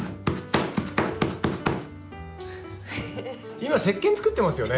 今石けん作ってますよね？